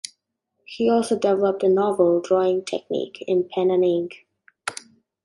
He also developed a novel drawing technique in pen-and-ink.